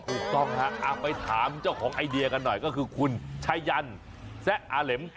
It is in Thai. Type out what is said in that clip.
ถูกต้องฮะไปถามเจ้าของไอเดียกันหน่อยก็คือคุณชายันแซะอาเหล็ม